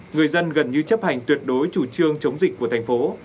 người dân gần như chấp hành tuyệt đối chủ trương chống dịch của thành phố